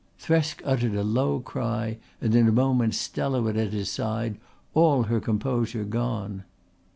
Thresk uttered a low cry and in a moment Stella was at his side, all her composure gone.